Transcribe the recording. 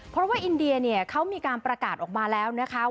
เพราะว่าอินเดียเนี่ยเขามีการประกาศออกมาแล้วนะคะ